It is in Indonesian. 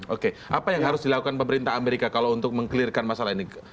oke apa yang harus dilakukan pemerintah amerika kalau untuk meng clearkan masalah ini